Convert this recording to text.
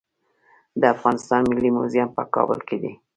د افغانستان ملي موزیم په کابل کې دی